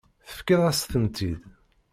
Tefkiḍ-as-tent-id.